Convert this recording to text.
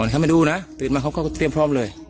เขามาดูนะตื่นมาเขาก็เตรียมพร้อมเลย